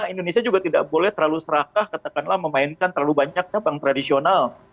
indonesia juga tidak boleh terlalu serakah katakanlah memainkan terlalu banyak cabang tradisional